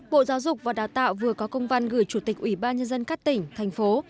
bộ giáo dục và đào tạo vừa có công văn gửi chủ tịch ủy ban nhân dân các tỉnh thành phố